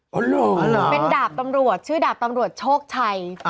เหรอเป็นดาบตำรวจชื่อดาบตำรวจโชคชัย